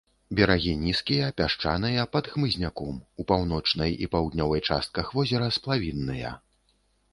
Берагі нізкія, пясчаныя, пад хмызняком, у паўночнай і паўднёвай частках возера сплавінныя.